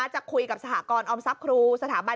จะคุยกับสถาบันการเงินออมทรัพย์ครู